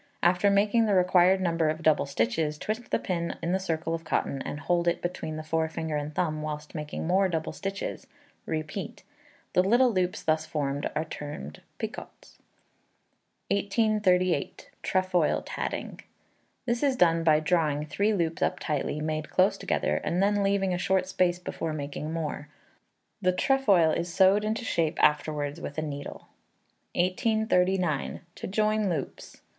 After making the required number of double stitches, twist the pin in the circle of cotton, and hold it between the forefinger and thumb, whilst making more double stitches; repeat. The little loops thus formed are termed picots. 1838. Trefoil Tatting. This is done by drawing three loops up tightly, made close together, and then leaving a short space before making more. The trefoil is sewed into shape afterwards with a needle. 1839. To Join Loops.